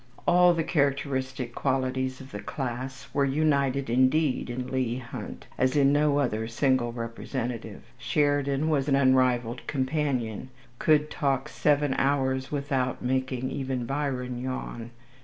All the characteristic qualities of the class were united, indeed, in Leigh Hunt, as in no other single representative. Sheridan was an unrivalled companion, could talk seven hours without making even Byron yawn.